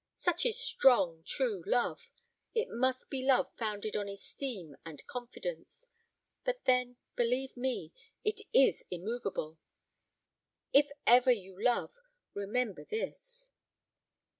Such is strong, true love. It must be love founded on esteem and confidence, but then, believe me, it is immoveable. If ever you love, remember this."